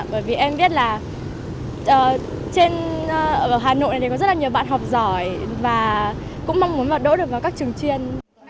bởi vì em biết là ở hà nội có rất nhiều bạn học giỏi và cũng mong muốn đổ được vào các trường chuyên